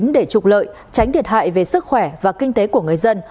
để trục lợi tránh thiệt hại về sức khỏe và kinh tế của người dân